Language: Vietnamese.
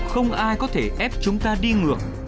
không ai có thể ép chúng ta đi ngược